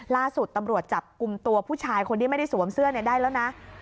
ล่าสุดตำรวจจับกลุ่มตัวผู้ชายคนที่ไม่ได้สวมเสื้อได้แล้วนะ